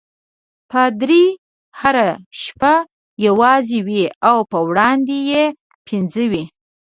پادري هره شپه یوازې وي او په وړاندې یې پنځه وي.